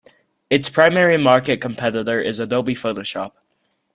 Its primary market competitor is Adobe Photoshop.